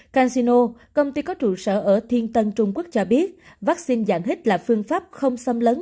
casino công ty có trụ sở ở thiên tân trung quốc cho biết vaccine dạng hít là phương pháp không xâm lấn